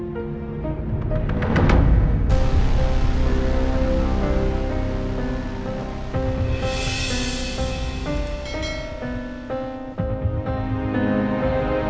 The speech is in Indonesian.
gerakan pinggulnya ya